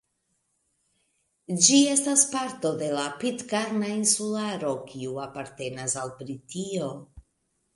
Ĝi estas parto de la Pitkarna Insularo, kiu apartenas al Britio.